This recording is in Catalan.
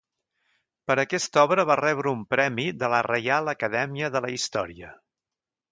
Per aquesta obra va rebre un premi de la Reial Acadèmia de la Història.